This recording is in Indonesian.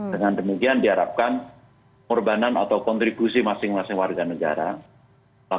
dengan demikian diharapkan korbanan atau kontribusi masing masing warga negara